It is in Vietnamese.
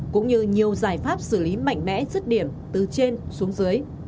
cũng như nhiều giải pháp xử lý mạnh mẽ rứt điểm từ trên xuống dưới